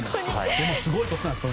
でも、すごいことなんです。